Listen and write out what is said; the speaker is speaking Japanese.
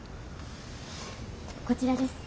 こちらです。